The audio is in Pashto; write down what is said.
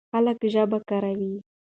خلک ژبه کاروي.